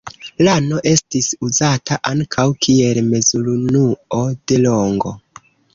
Lano estis uzata ankaŭ kiel mezurunuo de longo.